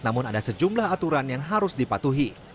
namun ada sejumlah aturan yang harus dipatuhi